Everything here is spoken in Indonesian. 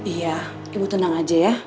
iya ibu tenang aja ya